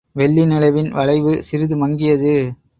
வெள்ளி நிலவின் வளைவு சிறிது மங்கியது.